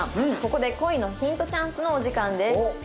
ここで恋のヒントチャンスのお時間です。